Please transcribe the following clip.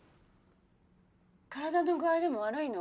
・体の具合でも悪いの？